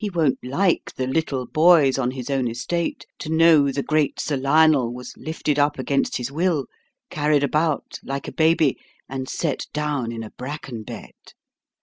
He won't like the little boys on his own estate to know the great Sir Lionel was lifted up against his will, carried about like a baby, and set down in a bracken bed.